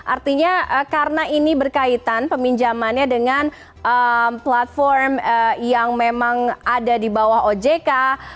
artinya karena ini berkaitan peminjamannya dengan platform yang memang ada di bawah ojk